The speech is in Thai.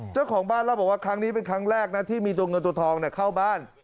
เจ้าของบ้านเล่าบอกว่าครั้งนี้เป็นครั้งแรกนะที่มีตัวเงินตัวทองเข้าบ้าน